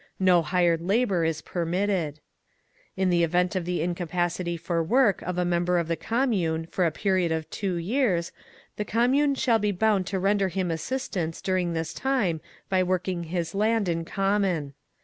No hired labour is permitted. In the event of the incapacity for work of a member of the commune for a period of two years, the commune shall be bound to render him assistance during this time by working his land in common.